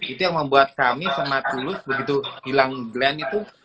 itu yang membuat kami sama tulus begitu hilang glenn itu